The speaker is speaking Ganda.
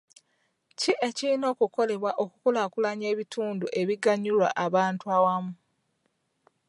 Ki ekirina okukolebwa okukulaakulanya ebintu ebiganyulwa abantu awamu.